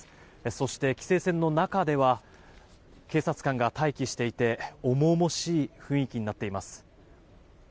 そして、規制線の中では警察官が待機していて重々しい雰囲気になっています。